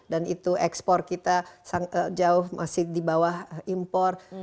dan itu ekspor kita jauh masih di bawah impor